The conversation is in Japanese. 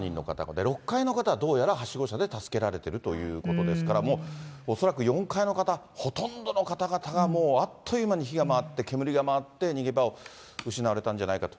で、６階の方はどうやらはしご車で助けられているということですから、もう恐らく４階の方、ほとんどの方々がもう、あっという間に火が回って、煙が回って、逃げ場を失われたんじゃないかと。